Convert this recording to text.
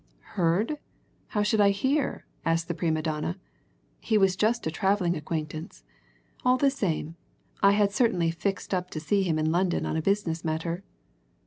"Heard? How should I hear?" asked the prima donna. "He was just a travelling acquaintance. All the same, I had certainly fixed up to see him in London on a business matter."